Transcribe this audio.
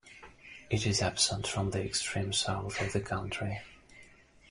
It is absent from the extreme south of the country.